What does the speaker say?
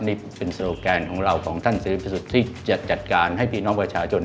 นี่เป็นโซโลแกนของเราของท่านเสรีพิสุทธิ์จะจัดการให้พี่น้องประชาชน